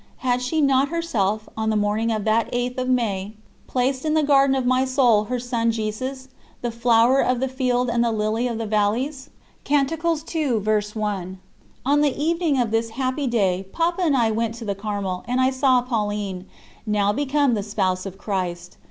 Had she not herself, on the morning of that 8th of May, placed in the garden of my soul her Son Jesus "the Flower of the field and the Lily of the valleys"? On the evening of this happy day Papa and I went to the Carmel, and I saw Pauline, now become the Spouse of Christ.